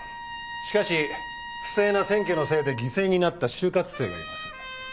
しかし不正な選挙のせいで犠牲になった就活生がいます。